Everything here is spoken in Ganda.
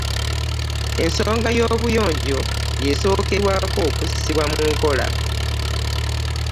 Ensonga yobuyonjo y'esookerwako okussibwa mu nkola.